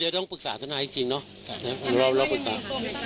เดี๋ยวต้องปรึกษาถนนัทจริงเนาะ